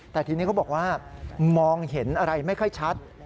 แต่ทีนี้เขาบอกว่ามองเห็นอะไรไม่ค่อยชัด